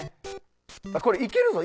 これいけるぞ。